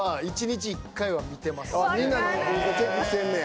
みんなのインスタチェックしてんねや？